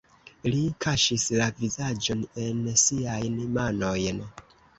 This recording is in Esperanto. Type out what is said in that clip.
Li kaŝis la vizaĝon en siajn manojn.